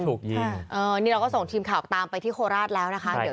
นี่เราก็ส่งทีมข่าวตามไปที่โคราชแล้วนะคะเดี๋ยว